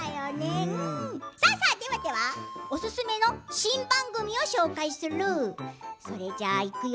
ではではおすすめの新番組を紹介するよ。